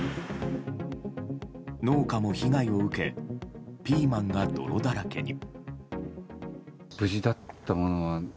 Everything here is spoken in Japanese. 農家も被害を受けピーマンが泥だらけに。